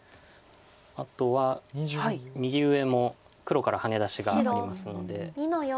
あとは右上も黒からハネ出しがありますので。